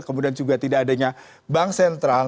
kemudian juga tidak adanya bank sentral